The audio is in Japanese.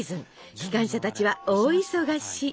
機関車たちは大忙し。